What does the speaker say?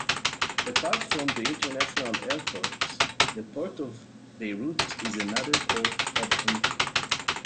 Apart from the international airport, the Port of Beirut is another port of entry.